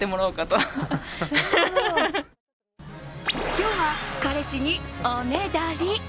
今日は彼氏におねだり。